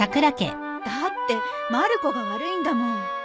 だってまる子が悪いんだもん。